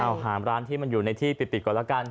เอาหาร้านที่มันอยู่ในที่ปิดก่อนแล้วกัน